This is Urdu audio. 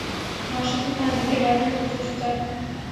معاشرتی تحاریک کے بارے میں پر جوش ہو جاتا ہوں